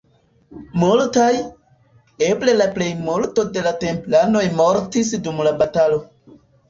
Multaj, eble la plejmulto de la templanoj mortis dum la batalo.